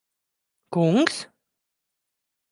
Kungs?